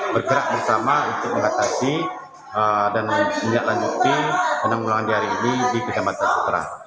bergerak bersama untuk mengatasi dan menindaklanjuti penanggulangan diare ini di kecamatan sutra